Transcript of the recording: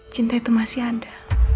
cinta itu masih ada